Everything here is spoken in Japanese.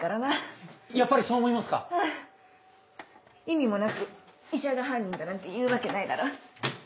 意味もなく医者が犯人だなんて言うわけないだろう。